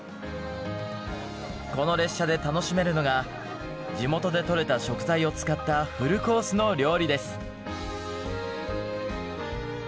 この列車で楽しめるのが地元で採れた食材を使ったフルコースの料理です。